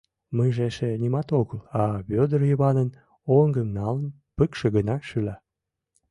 Мыйже эше нимат огыл, а Вӧдыр Йыванын оҥым налын, пыкше гына шӱла.